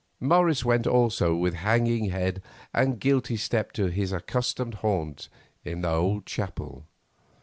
Morris went also with hanging head and guilty step to his accustomed haunt in the old chapel.